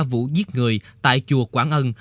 vụ giết người tại chùa quảng ân